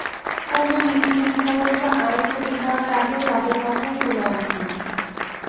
কোনো নীতিনির্ধারণ বা আইন তৈরি করার আগে যাঁদের কথা শোনা উচিত।